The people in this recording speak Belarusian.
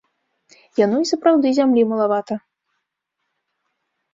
Яно і сапраўды зямлі малавата.